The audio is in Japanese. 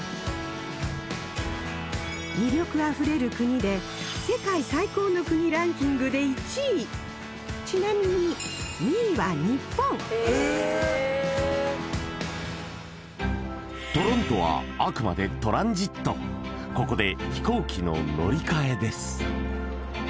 魅力あふれる国で世界最高の国ランキングで１位ちなみに２位は日本トロントはあくまでトランジットここで飛行機の乗り換えです